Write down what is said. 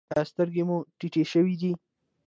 ایا سترګې مو تتې شوې دي؟